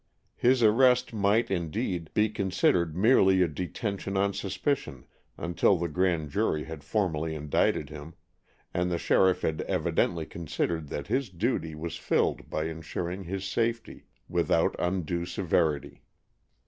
His arrest might, indeed, be considered merely a detention on suspicion until the Grand Jury had formally indicted him, and the sheriff had evidently considered that his duty was filled by ensuring his safety, without undue severity.